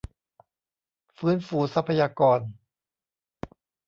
ฟื้นฟูทรัพยากร